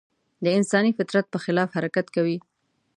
د انساني فطرت په خلاف حرکت کوي.